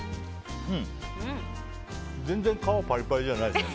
全然皮、パリパリじゃないですね。